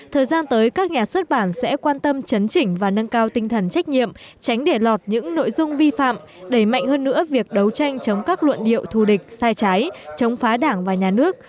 thời gian tới các nhà xuất bản sẽ quan tâm chấn chỉnh và nâng cao tinh thần trách nhiệm tránh để lọt những nội dung vi phạm đẩy mạnh hơn nữa việc đấu tranh chống các luận điệu thù địch sai trái chống phá đảng và nhà nước